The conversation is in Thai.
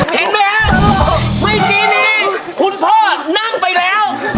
เห็นไหมไม่จีนี้คุณพ่อนั่งไปแล้ว